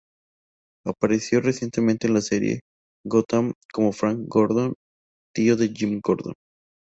Apareció recientemente en la serie "Gotham" como Frank Gordon, tío de Jim Gordon.